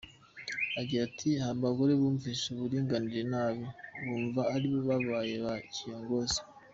agira ati “Hari abagore bumvise uburinganire nabi, bumva ko aribo babaye ba kiyongozi.